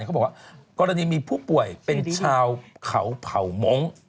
เขาบอกว่ากรณีมีผู้ป่วยเป็นชาวเขาเผ่ามงค์